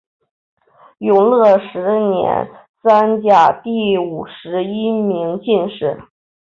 永乐十年三甲第五十一名进士。